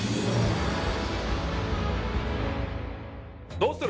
どうする？